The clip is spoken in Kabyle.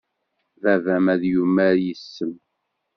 Baba-m ad yumar yes-m.